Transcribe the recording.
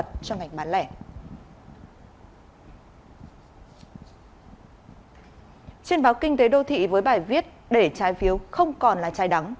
trên báo kinh tế đô thị với bài viết để trái phiếu không còn là trái đắng